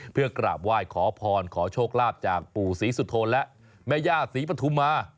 เพื่อกราบไหว้ขอพรขอโชคลาภจากปู่ศรีสุโธนและแม่ย่าศรีปฐุมา